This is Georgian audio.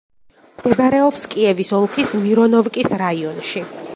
მდებარეობს კიევის ოლქის მირონოვკის რაიონში.